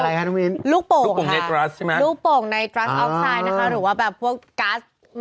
อะไรคะท่านวินลูกโป่งค่ะลูกโป่งในรัสออกไซก์ใช่ไหม